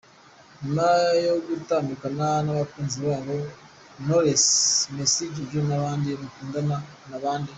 Nyuma yo gutandukana n’abakunzi babo, noresi, Misi Jojo n’abandi bakundana na bande?